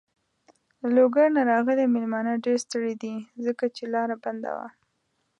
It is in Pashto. له لوګر نه راغلی مېلمانه ډېر ستړی دی. ځکه چې لاره بنده وه.